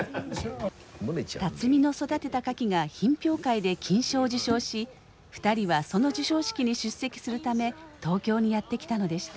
龍己の育てたカキが品評会で金賞を受賞し２人はその授賞式に出席するため東京にやって来たのでした。